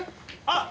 あっ。